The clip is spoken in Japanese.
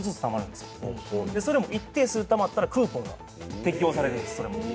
それも一定数たまったらクーポンが適用されるんですそれも。